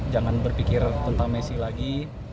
jangan berpikir tentang messi lagi